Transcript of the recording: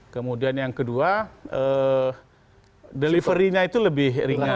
kemudian yang kedua delivery nya itu lebih ringan